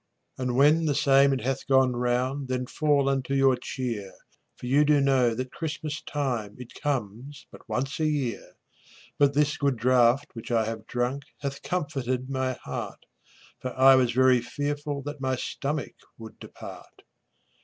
And when the same it hath gone round Then fall unto your cheer, For you do know that Christmas time It comes but once a year. But this good draught which I have drunk Hath comforted my heart, For I was very fearful that My stomach would depart.